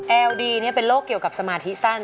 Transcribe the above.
แอลดีเนี่ยเป็นโรคเกี่ยวกับสมาธิสั้น